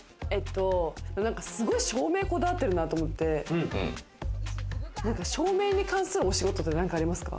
すごく照明にこだわっているなと思って照明に関するお仕事って何かありますか？